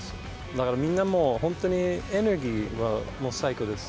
だからみんなもう、エネルギーはもう最高です。